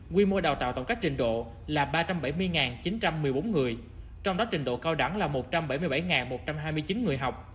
quy mô đào tạo tổng các trình độ là ba trăm bảy mươi chín trăm một mươi bốn người trong đó trình độ cao đẳng là một trăm bảy mươi bảy một trăm hai mươi chín người học